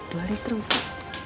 dua liter mbak